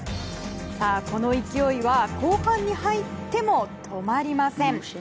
この勢いは後半に入っても止まりません。